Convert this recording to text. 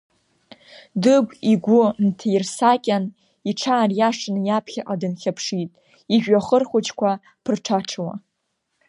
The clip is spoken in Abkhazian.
Дыгә игәы нҭаирсакьан, иҽаариашаны иаԥхьаҟа дынхьаԥшит, ижәҩахыр хәыҷқәа ԥырҽаҽауа.